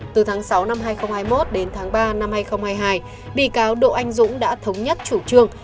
từ tháng sáu năm hai nghìn hai mươi một đến tháng ba năm hai nghìn hai mươi hai bị cáo độ anh dũng đã thống nhất chủ trương